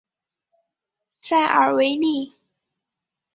塞尔维利。